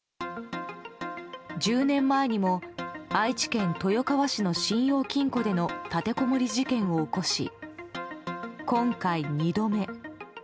１０年前にも愛知県豊川市の信用金庫での立てこもり事件を起こし今回２度目。